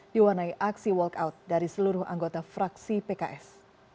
diwarnai aksi walkout dari seluruh anggota fraksi pks